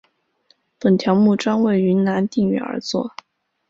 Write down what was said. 本条目专为云南定远而作。